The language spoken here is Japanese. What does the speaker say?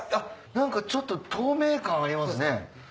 何かちょっと透明感ありますね。